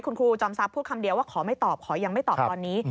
คุณครูจอมทรัพย์พูดคำเดียวว่าขอไม่ตอบขอยังไม่ตอบตอนนี้